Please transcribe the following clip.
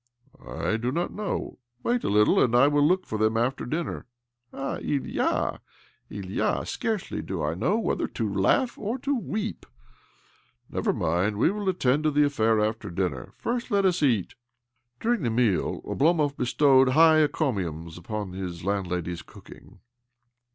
"" I do not know. Wait a little, and I will look for them after dinner." " Ah, Uya, Ilya ! Scarcely do I know whether to laugh or to weep." " Never mind. We will attend to the affair after dinner. First let us eat." During the meal Oblomov bestowed high encomiums upon his laлdlady's cooking.